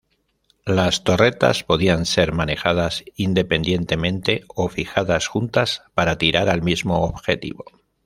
Las torretas podían ser manejadas independientemente o "fijadas" juntas para tirar al mismo objetivo.